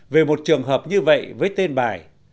về một trường hợp như vậy với tên bài